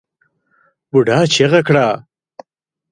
بوډا چيغه کړه!